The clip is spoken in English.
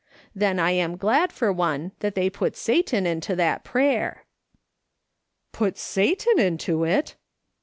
Then I am glad, for one, that they put Satan into that prayer." " Put Satan into it